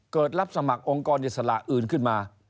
รับสมัครองค์กรอิสระอื่นขึ้นมา